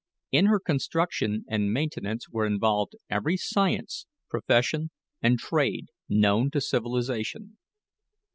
In her construction and maintenance were involved every science, profession, and trade known to civilization.